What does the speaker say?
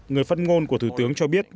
người phát ngôn của thủ tướng cho biết